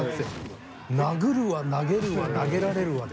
殴るわ投げるわ投げられるわで。